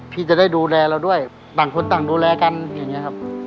ที่จะได้ดูแลเราด้วยต่างคนต่างดูแลกันอย่างนี้ครับ